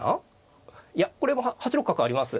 いやこれも８六角あります。